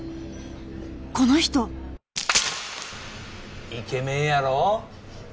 この人イケメンやろ？